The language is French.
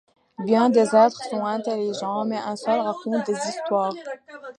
Bien des êtres sont intelligents, mais un seul raconte des histoires.